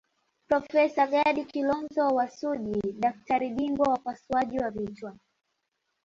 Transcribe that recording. Profesa Gadi Kilonzo wa Suji daktari bingwa wa upasuaji wa vichwa